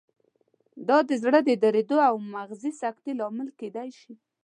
دا د زړه د دریدو او مغزي سکتې لامل کېدای شي.